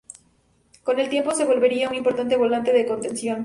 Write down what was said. Con el tiempo se volvería un importante volante de contención.